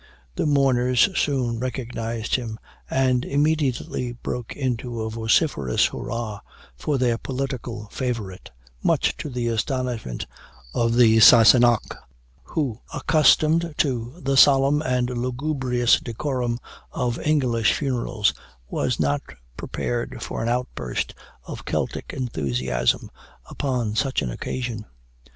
The mourners soon recognized him, and immediately broke into a vociferous hurrah for their political favorite, much to the astonishment of the Sassenach; who, accustomed to the solemn and lugubrious decorum of English funerals, was not prepared for an outburst of Celtic enthusiasm upon such an occasion.